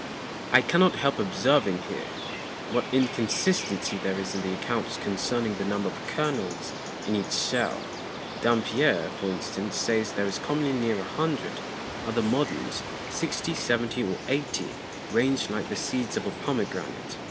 I cannot help observing here, what Inconsistency there is in the Accounts concerning the Number of Kernels in each Shell. [e]_Dampier_, for instance, says there is commonly near a Hundred; other Moderns[f] 60, 70 or 80, ranged like the Seeds of a Pomgranate.